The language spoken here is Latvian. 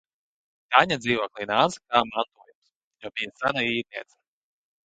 Taņa dzīvoklī nāca kā "mantojums", jo bija sena īrniece.